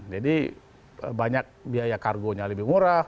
jadi banyak biaya kargo nya lebih murah